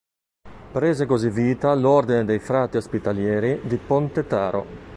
Prese così vita l'ordine dei frati ospitalieri di Ponte Taro.